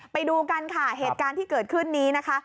ไปดูกันค่ะเหตุการณ์ที่เกิดขึ้นนี้นะคะ